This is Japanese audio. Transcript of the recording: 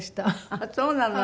ああそうなの？